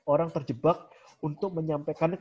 orang terjebak untuk menyampaikan